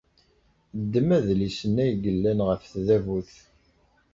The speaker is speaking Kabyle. Ddem adlis-nni ay yellan ɣef tdabut.